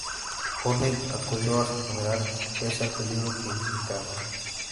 Horney acudió a su funeral pese al peligro que implicaba.